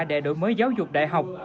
để đổi mới giáo dục đại học